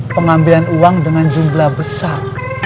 pengambilan uang dengan jumlah besar